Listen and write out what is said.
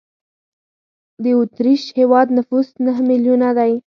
د اوترېش هېواد نفوس نه میلیونه دی.